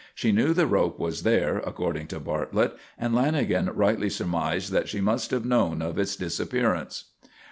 She knew the rope was there, according to Bartlett, and Lanagan rightly surmised that she must have known of its disappearance.